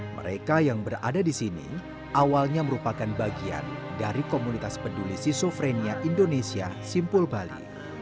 mereka yang berada di sini awalnya merupakan bagian dari komunitas peduli skizofrenia indonesia simpul bali